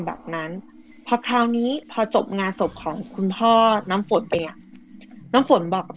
แบบนั้นพอคราวนี้พอจบงานศพของคุณพ่อน้ำฝนไปอ่ะน้ำฝนบอกกับ